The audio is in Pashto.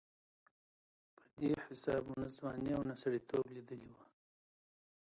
په دې حساب مو نه ځواني او نه سړېتوب لېدلې وه.